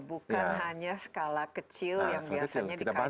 bukan hanya skala kecil yang biasa kita lakukan